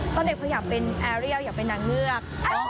ตอนเด็กเขาอยากเป็นแอเรียลอยากเป็นนางเงือก